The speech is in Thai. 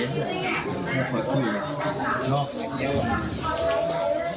ก็คือแจ้งเย็นแจ้งเย็นแจ้งเย็น